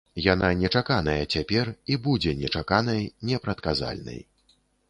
Яна нечаканая цяпер і будзе нечаканай, непрадказальнай.